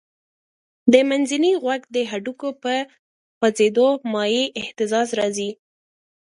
د منځني غوږ د هډوکو په خوځېدو مایع اهتزاز راځي.